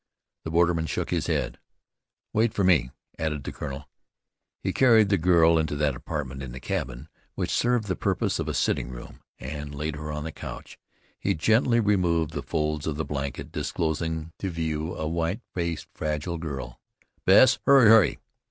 The borderman shook his head. "Wait for me," added the colonel. He carried the girl to that apartment in the cabin which served the purpose of a sitting room, and laid her on a couch. He gently removed the folds of the blanket, disclosing to view a fragile, white faced girl. "Bess, hurry, hurry!"